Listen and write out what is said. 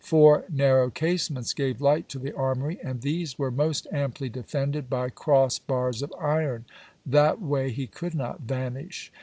Four narrow casements gave light to the armoury; and these were most amply defended by cross bars of iron. That way he could not vanish.